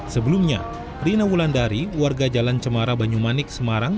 sebelumnya rina wulandari warga jalan cemara banyumanik semarang